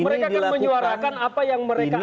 mereka akan menyuarakan apa yang mereka alami